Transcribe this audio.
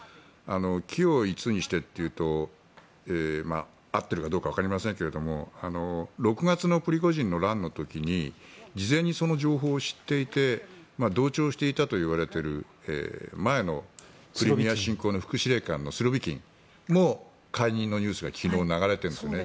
軌を一にしてというと合ってるかどうかわかりませんが６月のプリゴジンの乱の時に事前にその情報を知っていて同調していたといわれている前のクリミア侵攻の副司令官のスロビキンも解任のニュースが昨日流れてますよね。